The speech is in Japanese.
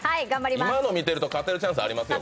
今の見てると勝てるチャンスありますよ。